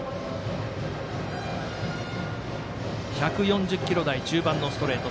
１４０キロ台中盤のストレート。